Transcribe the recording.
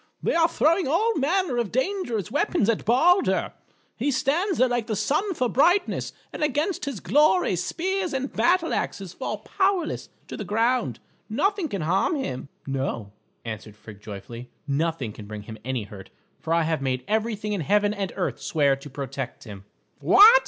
They are throwing all manner of dangerous weapons at Balder. He stands there like the sun for brightness, and against his glory, spears and battle axes fall powerless to the ground. Nothing can harm him." "No," answered Frigg joyfully; "nothing can bring him any hurt, for I have made everything in heaven and earth swear to protect him." "What!"